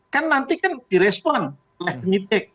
kan nanti kan direspon oleh penyidik